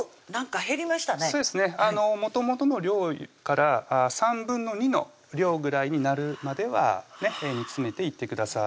もともとの量から３分の２の量ぐらいになるまでは煮詰めていってください